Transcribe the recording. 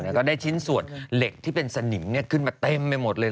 แล้วก็ได้ชิ้นส่วนเหล็กที่เป็นสนิมขึ้นมาเต็มไปหมดเลย